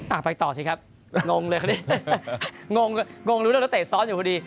อ่าไปต่อสิครับงงเลยครับนี่งงงงรู้แล้วเตะซ้อนอยู่พอดี